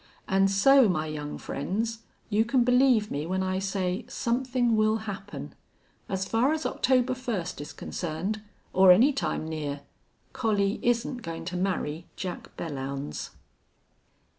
An' so, my young friends, you can believe me when I say somethin' will happen. As far as October first is concerned, or any time near, Collie isn't goin' to marry Jack Belllounds."